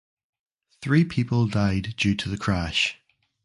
Three people died due to the crash.